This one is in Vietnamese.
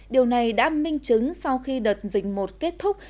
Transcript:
điều này đã minh chứng sau khi đợt dịch một kết thúc